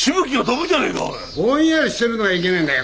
ぼんやりしてるのがいけねえんだよ